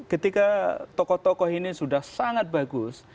ketika tokoh tokoh ini sudah sangat bagus